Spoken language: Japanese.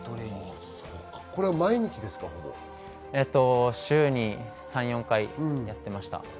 毎日ですか・週に３４回やっていました。